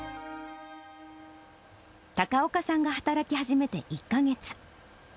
高岡さんが働き始めて１か月。